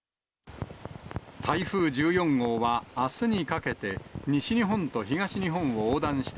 台風１４号はあすにかけて西日本と東日本を横断した